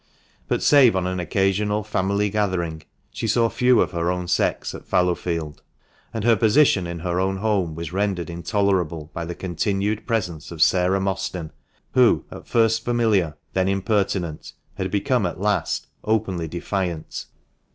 But save on an occasional family gathering, she saw few of her own sex at Fallowfield. And her position in her own home was rendered intolerable by the continued presence of Sarah Mostyn, who, at first familiar, then impertinent, had become at last openly defiant.